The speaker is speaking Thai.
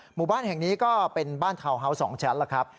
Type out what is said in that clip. หมู่บ้านแห่งนี้ก็เป็นบ้านทาวน์ฮาวส์๒ชั้นแล้วครับ